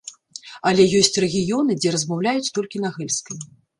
Але ёсць рэгіёны, дзе размаўляюць толькі на гэльскай.